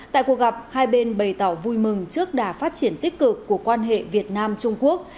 tại cuộc gặp hai bên bày tỏ vui mừng trước đà phát triển tích cực của quan hệ việt nam trung quốc